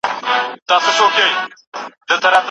د انسان لاسونه د هغه د فکر وسيله ده.